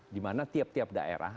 di mana tiap tiap daerah